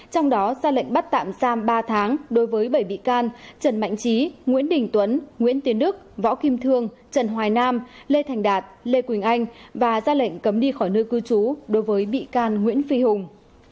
trong đó ra lệnh bắt tạm giam ba tháng đối với bảy bị can trần mạnh trí nguyễn đình tuấn nguyễn tiến đức võ kim thương trần hoài nam lê thành đạt lê quỳnh anh và ra lệnh cấm đi khỏi nơi cư trú đối với bị can nguyễn phi hùng